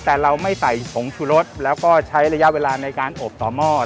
แต่เราไม่ใส่ผงชูรสแล้วก็ใช้ระยะเวลาในการอบต่อหม้อ